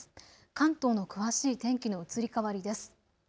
関東の詳しい天気の移り変わりです。